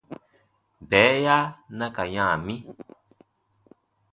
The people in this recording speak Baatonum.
Bɛɛya na ka yã mi.